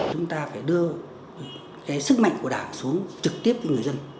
chúng ta phải đưa sức mạnh của đảng xuống trực tiếp với người dân